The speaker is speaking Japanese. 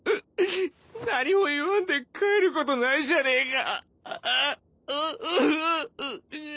何も言わんで帰ることないじゃねえか。